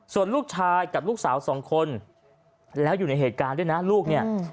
ส่วนลูกชายกับลูกสาวสองคนแล้วอยู่ในเหตุการณ์ด้วยนะลูกเนี่ย